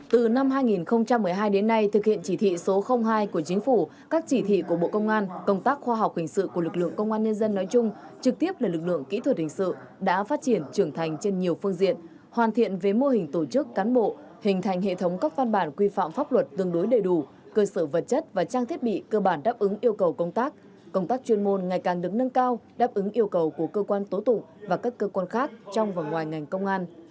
từ năm hai nghìn một mươi hai đến nay thực hiện chỉ thị số hai của chính phủ các chỉ thị của bộ công an công tác khoa học hình sự của lực lượng công an nhân dân nói chung trực tiếp là lực lượng kỹ thuật hình sự đã phát triển trưởng thành trên nhiều phương diện hoàn thiện về mô hình tổ chức cán bộ hình thành hệ thống các văn bản quy phạm pháp luật tương đối đầy đủ cơ sở vật chất và trang thiết bị cơ bản đáp ứng yêu cầu công tác công tác chuyên môn ngày càng đứng nâng cao đáp ứng yêu cầu của cơ quan tố tụ và các cơ quan khác trong và ngoài ngành công an